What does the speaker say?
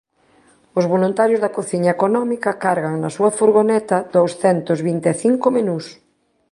Os voluntarios da Cociña Económica cargan na súa furgoneta douscentos vinte e cinco menús.